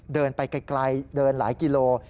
เดินไปไกลเดินหลายกิโล